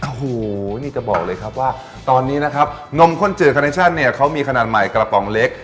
โอ้โหนี่จะบอกเลยครับว่าตอนนี้นะครับนมข้นจืดคาเนชั่นเนี่ยเขามีขนาดใหม่กระป๋องเล็ก